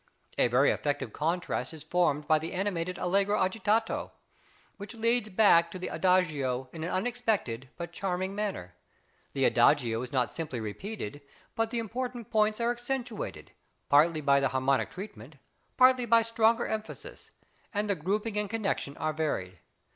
A very effective contrast is formed by the animated allegro agitato, which leads back to the adagio in an unexpected but charming manner; the adagio is not simply repeated, but the important points are accentuated, partly by the harmonic treatment, partly by stronger emphasis, and the grouping and connection are varied.